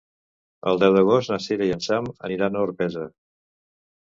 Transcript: El deu d'agost na Sira i en Sam aniran a Orpesa.